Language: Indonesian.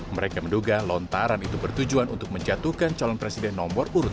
mereka menduga lontaran itu bertujuan untuk menjatuhkan calon presiden nomor urut tiga